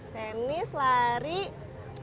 tenis lari terus